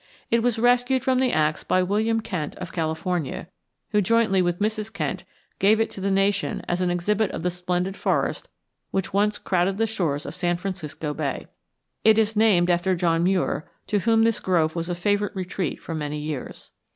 It was rescued from the axe by William Kent of California, who, jointly with Mrs. Kent, gave it to the nation as an exhibit of the splendid forest which once crowded the shores of San Francisco Bay. It is named after John Muir, to whom this grove was a favorite retreat for many years.